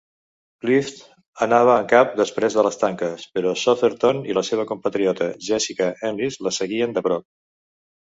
Klüft anava en cap després de les tanques, però Sotherton i la seva compatriota Jessica Ennis la seguien de prop.